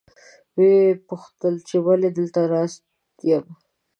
ویې پوښتل چې ولې دلته ناست یم.